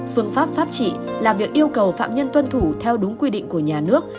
phương pháp pháp trị là việc yêu cầu phạm nhân tuân thủ theo đúng quy định của nhà nước